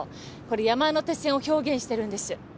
これ山手線を表現してるんです。